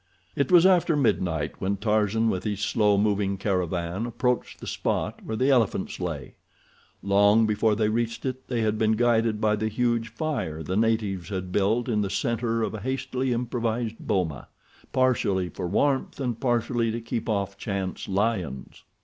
It was after midnight when Tarzan, with his slow moving caravan, approached the spot where the elephants lay. Long before they reached it they had been guided by the huge fire the natives had built in the center of a hastily improvised boma, partially for warmth and partially to keep off chance lions.